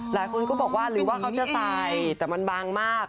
หลายคนก็บอกว่าหรือว่าเขาจะใส่แต่มันบางมาก